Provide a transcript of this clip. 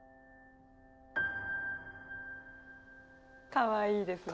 かわいいですね。